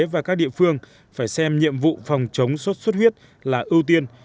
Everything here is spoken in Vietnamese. và các địa phương phải xem nhiệm vụ phòng chống suốt suốt huyết là ưu tiên